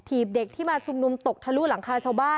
เด็กที่มาชุมนุมตกทะลุหลังคาชาวบ้าน